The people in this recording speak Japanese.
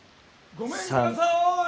・ごめんください！